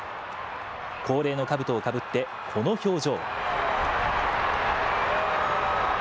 恒例のかぶとをかぶってこの表情。